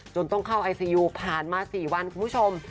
ต้องเข้าไอซียูผ่านมา๔วันคุณผู้ชม